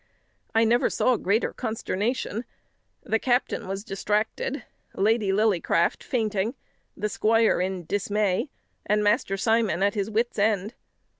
I never saw greater consternation. The captain was distracted; Lady Lillycraft fainting; the squire in dismay; and Master Simon at his wits' end.